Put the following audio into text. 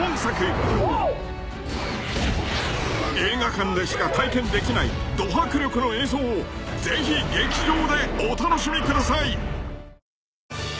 ［映画館でしか体験できないド迫力の映像を是非劇場でお楽しみください］